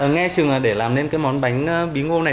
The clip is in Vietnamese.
nghe chừng để làm nên cái món bánh bí ngô này